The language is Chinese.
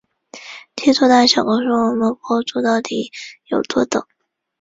梯度的大小告诉我们坡度到底有多陡。